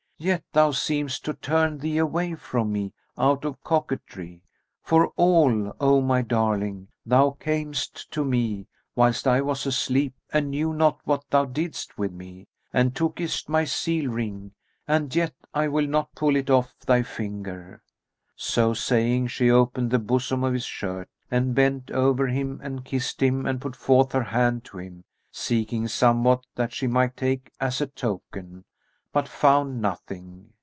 Yet thou seemest to turn thee away from me out of coquetry, for all, O my darling, thou camest to me, whilst I was asleep and knew not what thou didst with me, and tookest my seal ring; and yet I will not pull it off thy finger." So saying, she opened the bosom of his shirt and bent over him and kissed him and put forth her hand to him, seeking somewhat that she might take as a token, but found nothing.